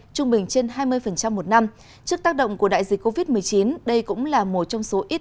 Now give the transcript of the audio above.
trung bình trên hai mươi một năm trước tác động của đại dịch covid một mươi chín đây cũng là một trong số ít